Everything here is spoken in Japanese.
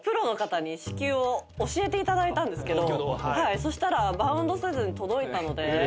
そしたらバウンドせずに届いたので。